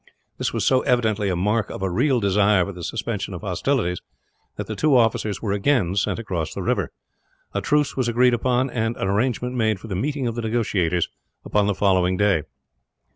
This was so evidently a mark of a real desire for the suspension of hostilities that the two officers were again sent across the river. A truce was agreed upon, and an arrangement made for the meeting of the negotiators, upon the following day.